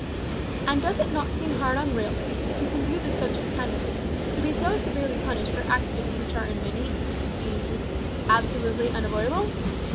And does it not seem hard on railways, if you can view the subject candidly, to be so severely punished for accidents which are in many eases absolutely unavoidable?